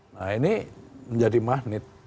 nah ini menjadi magnet